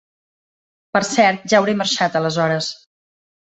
Per cert, ja hauré marxat aleshores.